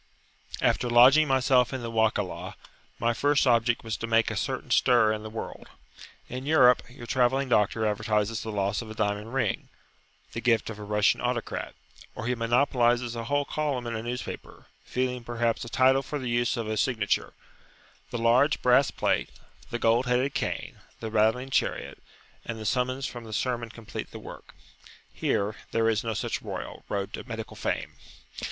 After lodging myself in the Wakalah, my first object was to make a certain stir in the world. In Europe your travelling doctor advertises the loss of a diamond ring, the gift of a Russian autocrat; or he monopolises a whole column in a newspaper, feeing perhaps a title for the use of a signature; the large brass plate, the gold headed cane, the rattling chariot, and the summons from the sermon complete the work. Here, there is no such Royal [p.51]Road to medical fame.